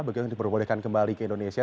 begitu diperbolehkan kembali ke indonesia